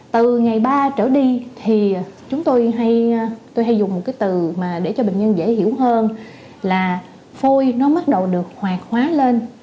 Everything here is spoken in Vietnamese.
từ ngày ba trở đi tôi hay dùng một từ để cho bệnh nhân dễ hiểu hơn là phôi nó bắt đầu được hoạt hóa lên